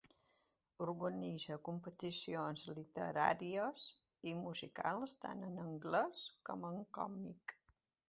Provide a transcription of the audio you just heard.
Organitza competicions literàries i musicals tant en anglès com en còrnic.